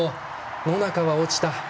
野中は落ちた。